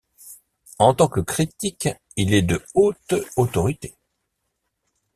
En tant que critique, il est de haute autorité.